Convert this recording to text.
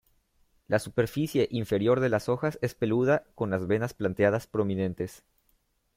La superficie inferior de las hojas es peluda con las venas planteadas prominentes.